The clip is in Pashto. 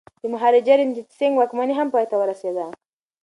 د مهاراجا رنجیت سنګ واکمني هم پای ته ورسیده.